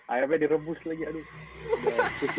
ayamnya direbus lagi aduh